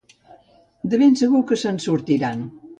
De ben segur que se n´ensortiran.